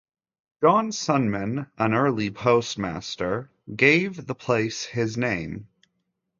John Sunman, an early postmaster, gave the place his name.